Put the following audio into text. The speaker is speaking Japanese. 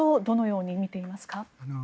どのように見ていますか？